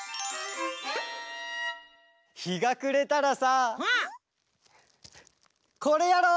ひがくれたらさこれやろう！